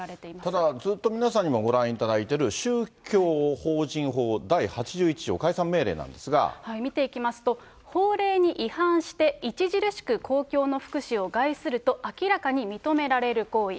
ただ、ずっと皆さんにもご覧いただいている宗教法人法第８１条解散命令見ていきますと、法令に違反して著しく公共の福祉を害すると明らかに認められる行為。